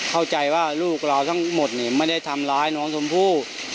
เข้าใจว่าลูกเราทั้งหมดไม่ได้ทำร้ายน้องชมพู่